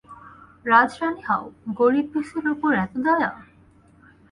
রাজরানী হও, গরিব পিসির ওপর এত দয়া!